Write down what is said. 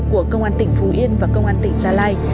của công an tỉnh phú yên và công an tỉnh gia lai